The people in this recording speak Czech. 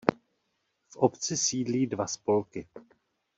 V obci sídlí dva spolky.